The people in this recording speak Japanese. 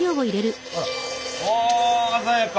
あ鮮やか！